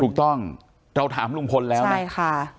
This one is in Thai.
ถูกต้องเราถามลุงพลแล้วนะใช่ค่ะ